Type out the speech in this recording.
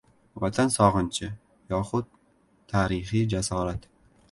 Vatan sog‘inchi yoxud tarixiy jasorat